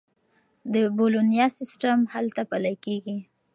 د بولونیا سیستم هلته پلي کیږي.